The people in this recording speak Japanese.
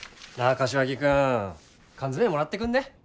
柏木君缶詰もらってくんね？